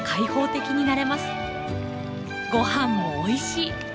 ご飯もおいしい！